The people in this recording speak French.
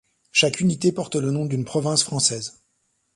Chaque unité porte le nom d'une province française.